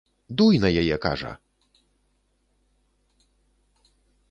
Дуй на яе, кажа!